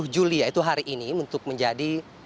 tujuh juli yaitu hari ini untuk menjadi